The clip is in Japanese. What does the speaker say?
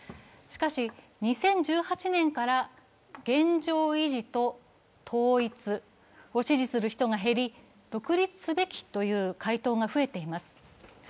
しかし、２０１８年から現状維持と統一を支持する人が減り、独立すべきという回答が増えています。